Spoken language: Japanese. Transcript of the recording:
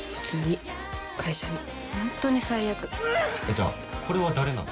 じゃあ、これは誰なの？